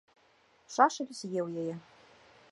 Шашаль з еў яе.